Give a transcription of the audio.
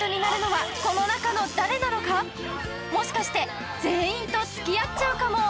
もしかして全員とつきあっちゃうかも！？